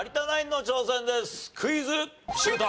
シュート！